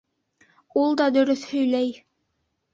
Ул да дөрөҫ һөйләй